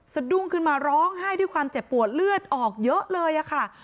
สะดุ้งขึ้นมาร้องไห้ด้วยความเจ็บปวดเลือดออกเยอะเลยค่ะ